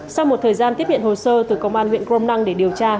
sau một thời gian tiếp nhận hồ sơ từ công an huyện crom năng để điều tra